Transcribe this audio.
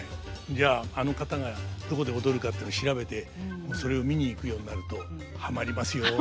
じゃああの方がどこで踊るかっていうの調べてそれを見に行くようになるとはまりますよ。